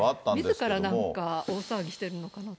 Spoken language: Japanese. みずからなんか大騒ぎしているのかなって。